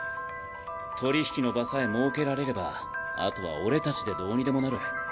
取り引きの場さえ設けられればあとは俺たちでどうにでもなる。